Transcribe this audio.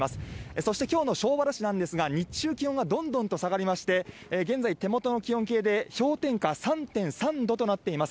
そしてきょうの庄原市なんですが、日中、気温がどんどんと下がりまして、現在、手元の気温計で氷点下３．３度となっています。